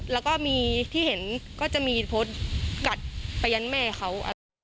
แล้วก็มีที่เห็นก็จะมีโพสต์กัดไปยันแม่เขา